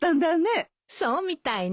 そうみたいね。